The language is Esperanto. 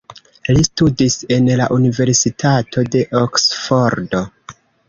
Li studis en la Universitato de Oksfordo.